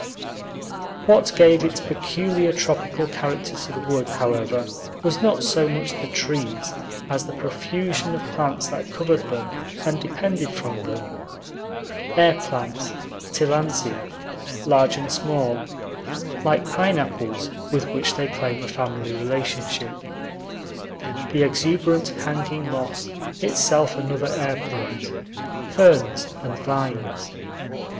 What gave its peculiar tropical character to the wood, however, was not so much the trees as the profusion of plants that covered them and depended from them: air plants (Tillandsia), large and small, like pineapples, with which they claim a family relationship, the exuberant hanging moss, itself another air plant, ferns, and vines.